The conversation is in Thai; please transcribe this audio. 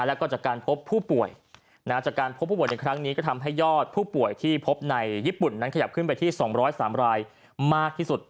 แล้วก็จากการพบผู้ป่วยจากการพบผู้ป่วยในครั้งนี้ก็ทำให้ยอดผู้ป่วยที่พบในญี่ปุ่นนั้นขยับขึ้นไปที่๒๐๓รายมากที่สุด